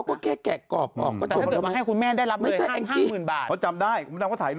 พวกแกกรอบออกเราก็จำไม่ได้